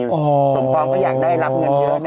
สมปองก็อยากได้รับเงินเยอะนะ